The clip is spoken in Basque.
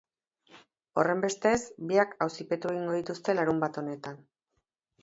Horrenbestez, biak auzipetu egingo dituzte larunbat honetan.